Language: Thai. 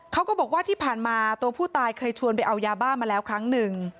เขาก็บอกว่าที่ผ่านมาตัวผู้ตายเคยชวนไปเอายาบ้ามาแล้วครั้งหนึ่ง